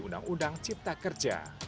undang undang cipta kerja